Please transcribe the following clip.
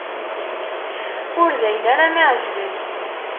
Ur d ayen ara m-iεeǧben.